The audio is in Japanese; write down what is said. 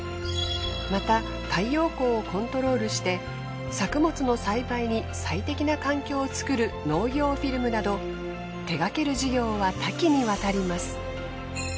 また太陽光をコントロールして作物の栽培に最適な環境を作る農業フィルムなど手がける事業は多岐にわたります。